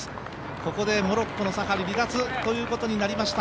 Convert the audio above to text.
ここでモロッコのサハリ離脱ということになりました。